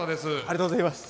ありがとうございます。